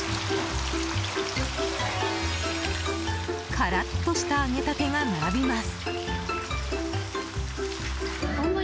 からっとした揚げたてが並びます。